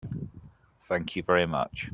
Thank you very much.